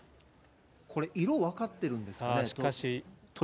これ、色分かってるんですかね？